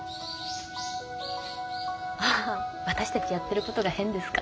ああ私たちやってることが変ですか？